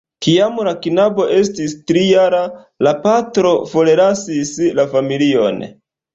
Kiam la knabo estis tri-jara, la patro forlasis la familion.